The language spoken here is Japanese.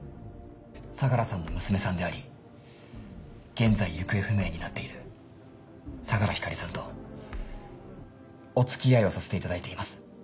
相良さんの娘さんであり現在行方不明になっている相良光莉さんとお付き合いをさせていただいています。